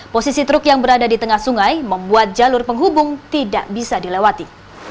posisi truk yang berada di tengah sungai membuat jalur penghubung tidak bisa dilewati